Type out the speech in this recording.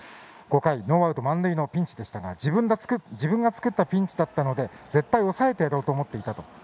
５回、ノーアウト満塁のピンチですが自分が作ったピンチだったので絶対抑えてやろうと思っていたと。